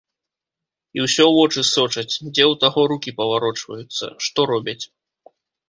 І ўсё вочы сочаць, дзе ў таго рукі паварочваюцца, што робяць.